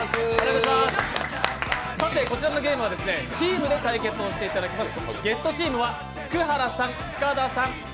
こちらのゲームはチームで対決をしていただきます。